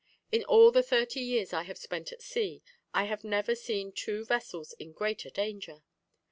In all the thirty years I have spent at sea, I have never seen two vessels in greater danger.